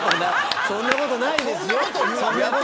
そんなことないですよ。